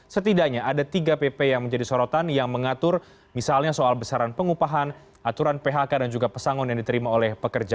setidaknya ada tiga pp yang menjadi sorotan yang mengatur misalnya soal besaran pengupahan aturan phk dan juga pesangon yang diterima oleh pekerja